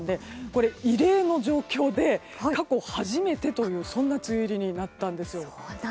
これは異例の状況で過去初めてというそんな梅雨入りになったんです。